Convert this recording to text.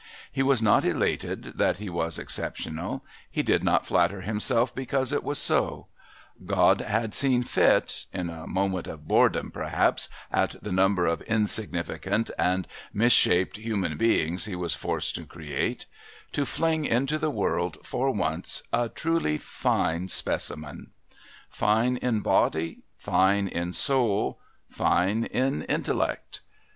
He was not elated that he was exceptional, he did not flatter himself because it was so; God had seen fit (in a moment of boredom, perhaps, at the number of insignificant and misshaped human beings He was forced to create) to fling into the world, for once, a truly Fine Specimen, Fine in Body, Fine in Soul, Fine in Intellect.